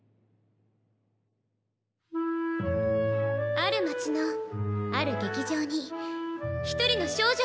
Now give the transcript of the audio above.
ある街のある劇場に一人の少女がいました。